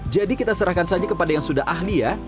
jadi kita serahkan saja kepada yang sudah ahli ya